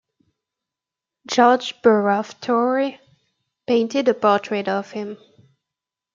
George Burroughs Torrey painted a portrait of him.